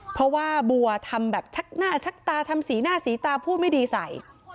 เพราะว่าบัวทำแบบชักหน้าชักตาทำสีหน้าสีตาพูดไม่ดีใส่